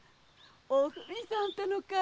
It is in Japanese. “おふみさん”ってのかい？